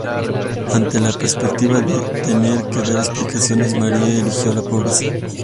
Ante la perspectiva de tener que dar explicaciones, Marie eligió la pobreza.